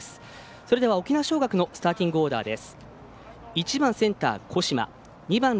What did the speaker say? それでは沖縄尚学のスターティングオーダーです。